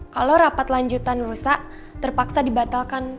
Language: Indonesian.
kalau rapat lanjutan rusak terpaksa dibatalkan